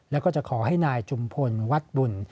แล้วก็จะขอให้นายจุมพลวัดบุญ